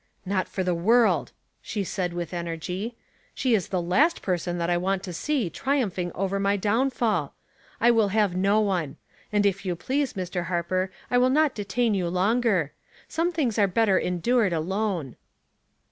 "Not for the world," she said, with energy. She is the last person that I want to see tri umphing over my downfall. I will have no one; and if you please, Mr. Harper, I will not detain you longer. Some things are better endured alone."